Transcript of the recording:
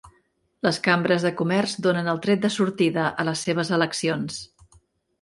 Les cambres de comerç donen el tret de sortida a les seves eleccions